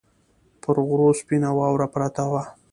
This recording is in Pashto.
پر غرو سپینه واوره پرته وه